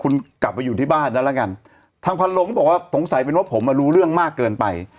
คุณกลับไปอยู่ที่บ้านแล้วกันทางพันลงก็บอกว่าสงสัยเป็นว่าผมอ่ะรู้เรื่องมากเกินไป